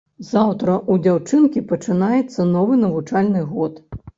Заўтра ў дзяўчынкі пачынаецца новы навучальны год.